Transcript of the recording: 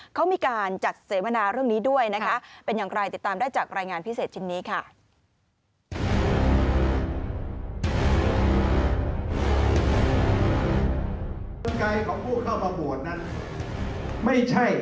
เขามีการจัดเสวนาเรื่องนี้ด้วยนะคะเป็นอย่างไรติดตามได้จากรายงานพิเศษชิ้นนี้ค่ะ